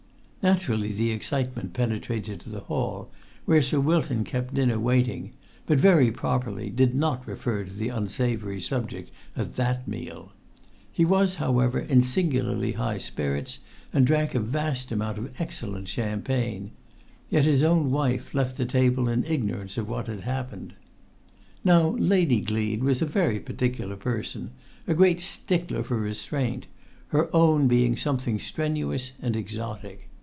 Naturally the excitement penetrated to the hall, where Sir Wilton kept dinner waiting, but, very properly, did not refer to the unsavoury subject at that meal. He was, however, in singularly high spirits, and drank a vast amount of excellent champagne; yet his own wife left the table in ignorance of what had happened. Now Lady Gleed was a very particular person, a great stickler for restraint, her own being something strenuous and exotic.